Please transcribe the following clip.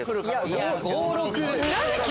いや５・６！